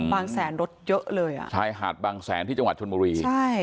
แสนรถเยอะเลยอ่ะชายหาดบางแสนที่จังหวัดชนบุรีใช่